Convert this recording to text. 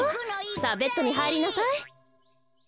さあベッドにはいりなさい。